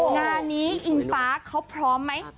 งานนี้อิงฟ้าเขาพร้อมไหม